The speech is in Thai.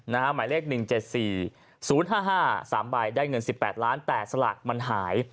หมายเลข๑๗๔๐๕๕๓ใบได้เงิน๑๘ล้านแต่สลากมันหาย